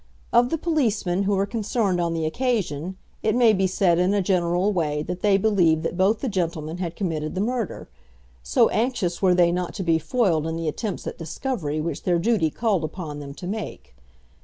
Of the policemen who were concerned on the occasion, it may be said in a general way that they believed that both the gentlemen had committed the murder, so anxious were they not to be foiled in the attempts at discovery which their duty called upon them to make.